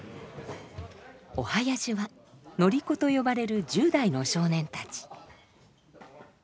お囃子は「乗り子」と呼ばれる１０代の少年たち。